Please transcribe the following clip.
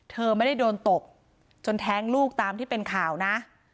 เธอไม่ได้โดนตบจนแท้งลูกตามที่เป็นข่าวนะ